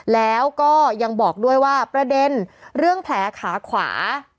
แล้วก็ยังบอกด้วยว่าประเด็นเรื่องแผลขาขวา